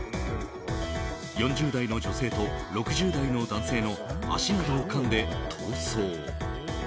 ４０代の女性と６０代の男性の足などをかんで逃走。